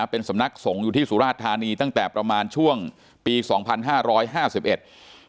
เป็นสำนักสงฆ์อยู่ที่สุราชธานีตั้งแต่ประมาณช่วงปีสองพันห้าร้อยห้าสิบเอ็ด